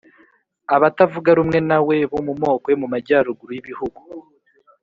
abatavuga rumwe na we bo mu moko yo mu majyaruguru y'igihugu